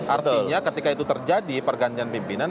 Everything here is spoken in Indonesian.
artinya ketika itu terjadi pergantian pimpinan